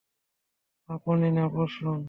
আপনি না, বসুন।